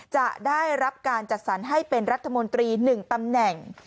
จะได้รับการจัดสรรให้เป็นรัฐมนตรี๑ตำแหน่ง